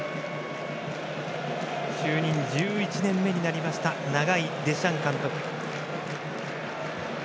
就任１１年目になったデシャン監督。